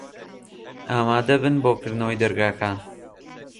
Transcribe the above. ئامادە بن بۆ کردنەوەی دەرگاکان.